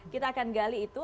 kita akan gali itu